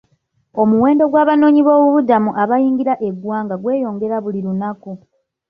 Omuwendo gw'abanoonyiboobubudamu abayingira eggwanga gweyongera buli lunaku.